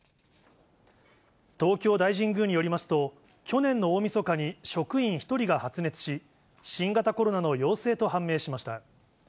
東京大神宮によりますと、去年の大みそかに職員１人が発熱し、新型コロナの陽性と判明しました。